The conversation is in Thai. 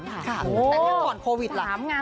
แต่นี้ก่อนโพวิตนะ